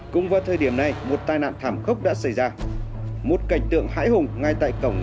cũng vào thời điểm này một tai nạn thảm khốc đã xảy ra một cảnh tượng hãi hùng ngay tại cổng